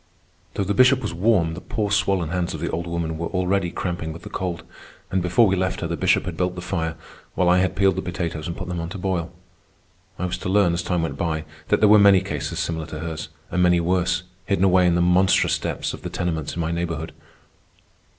Though the Bishop was warm, the poor swollen hands of the old woman were already cramping with the cold; and before we left her, the Bishop had built the fire, while I had peeled the potatoes and put them on to boil. I was to learn, as time went by, that there were many cases similar to hers, and many worse, hidden away in the monstrous depths of the tenements in my neighborhood.